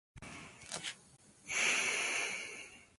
Este museo cuenta con cuatro salas que recorren la historia regional.